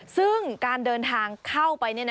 ซึ่งการเดินทางเข้าไป